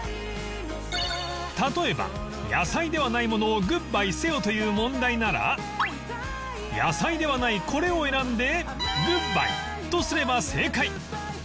例えば野菜ではないものをグッバイせよという問題なら野菜ではないこれを選んでグッバイとすれば正解